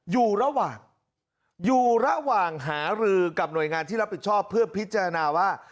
อยู่ระหว่างอยู่ระหว่างหารือกับหน่วยงานที่รับผิดชอบเพื่อพิจารณาว่า